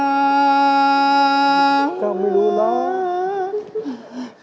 เจ้าไม่รู้นะ